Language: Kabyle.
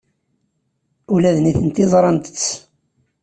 Ula d nitenti ẓrant-t.